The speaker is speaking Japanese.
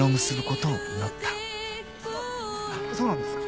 そうなんですか！